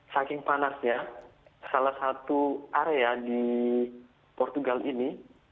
saking panasnya salah satu area di portugal ini